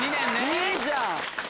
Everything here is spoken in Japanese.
いいじゃん！